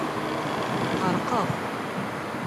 Ɣerqeɣ.